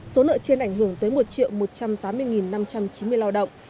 số nợ trên ảnh hưởng tới một một trăm tám mươi năm trăm chín mươi lao động